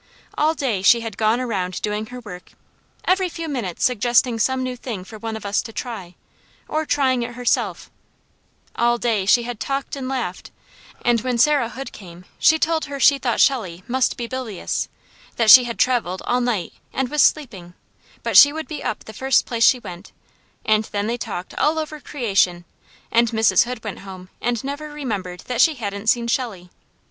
All day she had gone around doing her work, every few minutes suggesting some new thing for one of us to try, or trying it herself; all day she had talked and laughed, and when Sarah Hood came she told her she thought Shelley must be bilious, that she had travelled all night and was sleeping: but she would be up the first place she went, and then they talked all over creation and Mrs. Hood went home and never remembered that she hadn't seen Shelley.